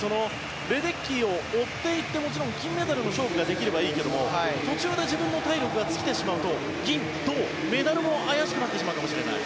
レデッキーを追っていってもちろん金メダルの勝負ができればいいけれども、途中で自分の体力が尽きてしまうと銀、銅、メダルも怪しくなってしまうかもしれない。